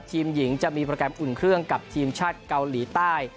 ทีมหญิงจะมีโปรแกรมอุ่นเครื่องกับทีมชาติเกาหลีใต้